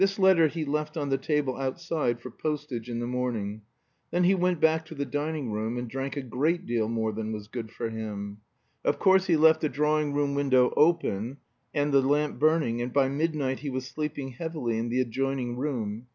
This letter he left on the table outside for postage in the morning. Then he went back to the dining room and drank a great deal more than was good for him. Of course he left the drawing room window open and the lamp burning, and by midnight he was sleeping heavily in the adjoining room.